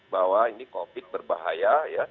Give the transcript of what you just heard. bahwa ini covid berbahaya